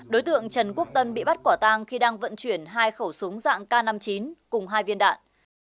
đối tượng trần quốc tân bị bắt quả tang khi đang vận chuyển hai khẩu súng dạng k năm mươi chín cùng hai viên đạn